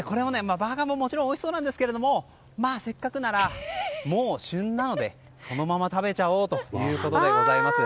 バーガーももちろん、おいしそうなんですがせっかくなら、もう旬なのでそのまま食べちゃおうということです。